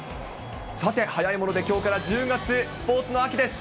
さて、早いものできょうから１０月、スポーツの秋です。